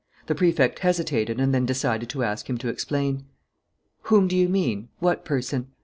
The Prefect hesitated and then decided to ask him to explain. "Whom do you mean? What person?"